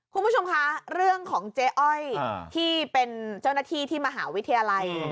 คุณผู้ชมคะเรื่องของเจ๊อ้อยที่เป็นเจ้าหน้าที่ที่มหาวิทยาลัย